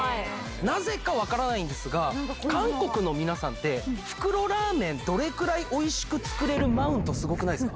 なぜか分からないんですが、韓国の皆さんって、袋ラーメン、どれくらいおいしく作れるマウント、すごくないですか。